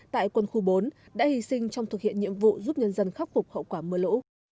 tại quân khu bốn đã hy sinh trong thực hiện nhiệm vụ giúp nhân dân khắc phục hậu quả mưa lũ